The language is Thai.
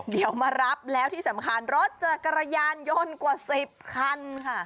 เดี๋ยวมารับแล้วที่สำคัญรถเจอกระยานยนต์กว่า๑๐คันค่ะ